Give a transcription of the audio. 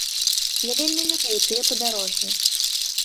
Я вельмі любіў тыя падарожжы.